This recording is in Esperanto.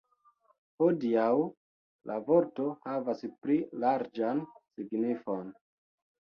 Hodiaŭ, la vorto havas pli larĝan signifon.